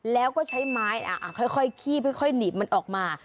แล้วก็ใช้ไม้ค่อยคีบค่อยหนีบมันออกมา